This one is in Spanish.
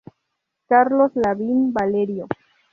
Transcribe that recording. Carlos Lavín Valerio.